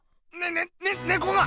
ねね猫が！